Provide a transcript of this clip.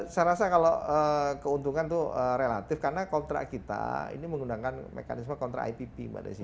saya rasa kalau keuntungan itu relatif karena kontrak kita ini menggunakan mekanisme kontra ipp mbak desi